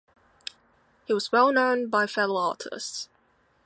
He was well known by fellow artists.